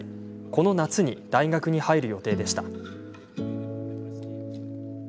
この夏に大学に入る予定でした。